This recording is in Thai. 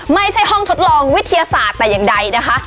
ไม่ใช่ห้องทดลองวิทยาศาสตร์แต่อย่างใดนะคะ